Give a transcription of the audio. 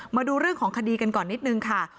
มาดูเรื่องของคดีกันก่อนนิดนึงค่ะ